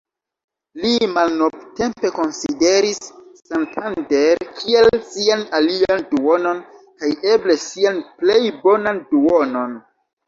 Li malnovtempe konsideris Santander kiel ""sian alian duonon, kaj eble sian plej bonan duonon"".